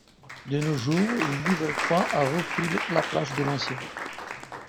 De nos jours, une nouvelle croix a repris la place de l'ancienne.